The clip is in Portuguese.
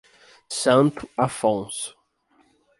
Santo Afonso